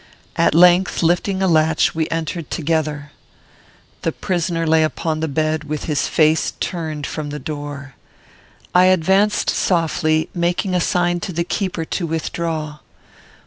At length, lifting a latch, we entered together. The prisoner lay upon the bed, with his face turned from the door. I advanced softly, making a sign to the keeper to withdraw.